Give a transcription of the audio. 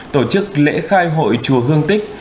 tổ chức lễ khai hội chùa hương tích